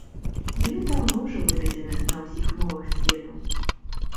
Яны даўно ўжо выдадзены на усіх мовах свету.